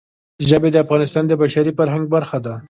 ژبې د افغانستان د بشري فرهنګ برخه ده.